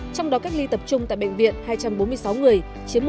trong đó cách ly tập trung tại bệnh viện hai trăm bốn mươi sáu người chiếm một